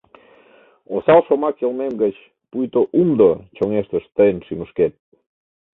Осал шомак йылмем гыч, пуйто умдо, Чоҥештыш тыйын шӱмышкет.